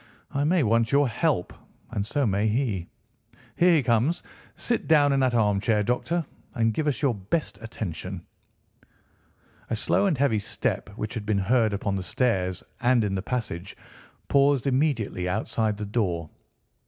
I may want your help, and so may he. Here he comes. Sit down in that armchair, Doctor, and give us your best attention." A slow and heavy step, which had been heard upon the stairs and in the passage, paused immediately outside the door.